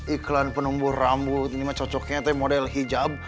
iklan penumbuh rambut ini mah cocoknya tapi model hijab